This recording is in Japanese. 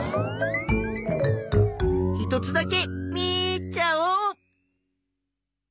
１つだけ見ちゃおう！